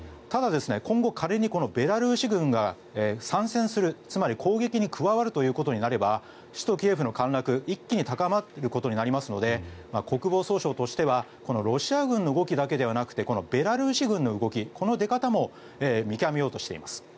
ただ、今後仮にベラルーシ軍が参戦するつまり攻撃に加わることになれば首都キエフの陥落は一気に高まることになりますので国防総省としてはロシア軍の動きだけではなくてこのベラルーシ軍の動きこの出方も見極めようとしています。